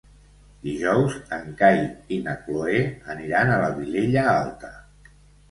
Dijous en Cai i na Cloè aniran a la Vilella Alta.